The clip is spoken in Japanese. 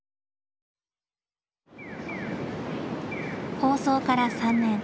放送から３年。